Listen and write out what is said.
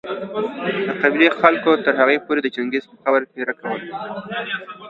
د قبېلې خلکو تر هغو پوري د چنګېز په قبر پهره کوله